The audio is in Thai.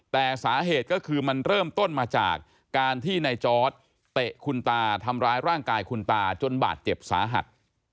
แต่สาเหตุก็คือมันเริ่มต้นมาจากการที่ในจอร์ดเตะคุณตาทำร้ายร่างกายคุณตาจนบาดเจ็บสาหัส